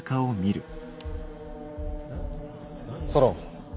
ソロン。